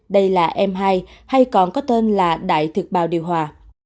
đây là m hai hay còn có tên là đại thực bào điều hòa